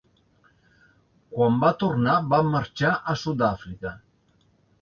Quan va tornar va marxar a Sud-àfrica.